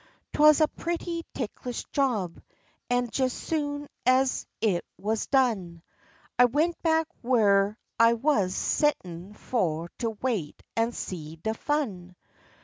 'Twuz a pretty ticklish job, an' jes ez soon ez it wuz done, I went back w'ere I wuz set'n fu' to wait an' see de fun.